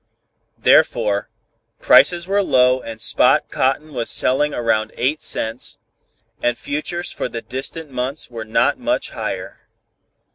Therefore, prices were low and spot cotton was selling around eight cents, and futures for the distant months were not much higher.